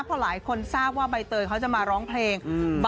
พอหลายคนทราบว่าใบเตยเขาจะมาร้องเพลงอืม